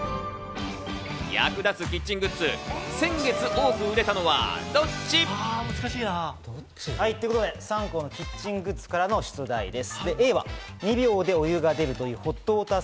役立つキッチングッズ、先月、多く売れたのはどっち？ということでサンコーのキッチングッズからの出題です。